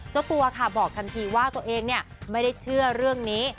เจ้าตัวค่ะบอกทันทีว่าตัวเองไม่ได้เชื่อเรื่องนี้